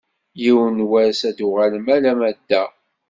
Yiwen n wass ad d-uɣalen alamma d da.